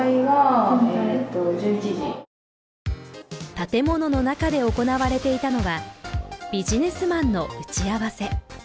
建物の中で行われていたのはビジネスマンの打ち合わせ。